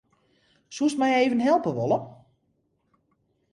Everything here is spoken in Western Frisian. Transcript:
Soest my even helpe wolle?